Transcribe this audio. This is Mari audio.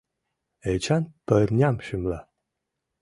Эчан пырням шӱмла.